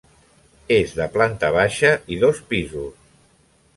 És de planta baixa i dos pisos.